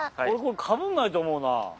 俺これかぶんないと思うな。